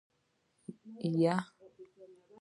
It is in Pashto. يه.